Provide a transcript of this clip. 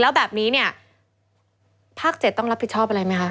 แล้วแบบนี้เนี่ยภาค๗ต้องรับผิดชอบอะไรไหมคะ